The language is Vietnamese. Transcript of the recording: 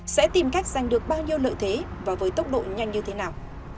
sẽ tìm cách giành được bao nhiêu lợi thế và với tốc độ nhanh như thế nào